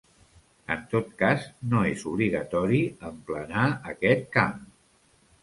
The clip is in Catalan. En tot cas, no és obligatori emplenar aquest camp.